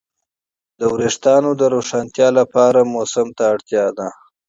د وېښتیانو د روښانتیا لپاره طبيعت ته اړتیا ده.